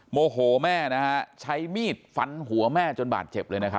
โมโหแม่นะฮะใช้มีดฟันหัวแม่จนบาดเจ็บเลยนะครับ